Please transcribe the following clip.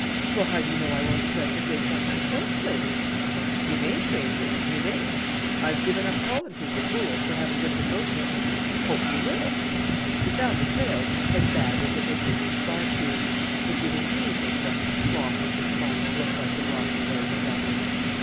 "Well, how do you know I won't strike it rich on my quartz claim?" "You may, stranger, you may; I've given up calling people fools for having different notions from me. Hope you will!" They found the trail as bad as it had been described to them. It did indeed make the "slough of despond" look like the rocky road to Dublin.